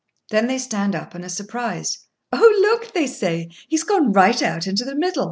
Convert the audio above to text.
Then they stand up, and are surprised. "Oh, look!" they say; "he's gone right out into the middle."